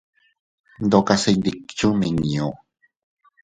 Ndokase iyndikchuu nmiñu.